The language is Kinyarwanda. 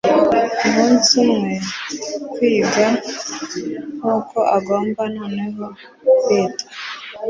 umunsi umwe, kigwa, nkuko agomba noneho kwitwa